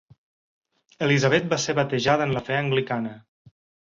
Elizabeth va ser batejada en la fe anglicana.